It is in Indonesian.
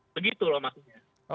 begitu loh maksudnya